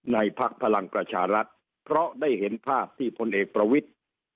พักพลังประชารัฐเพราะได้เห็นภาพที่พลเอกประวิทธิ์